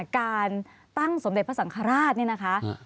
การตั้งสมเด็จพระสังฆราชเนี่ยนะคะ